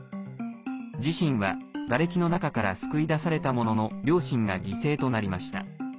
自身は、がれきの中から救い出されたものの両親が犠牲となりました。